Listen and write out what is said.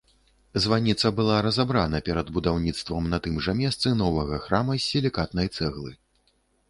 Званіца была разабрана перад будаўніцтвам на тым жа месцы новага храма з сілікатнай цэглы.